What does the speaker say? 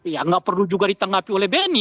ya gak perlu juga ditanggapi oleh benny